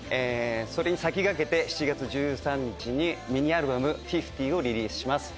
それに先駆けて７月１３日にミニアルバム『Ｌ−ｆｉｆｔｙ−』をリリースします。